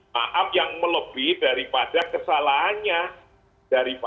maaf yang melebih daripada kesalahannya